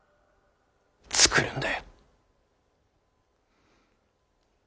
作るんだ。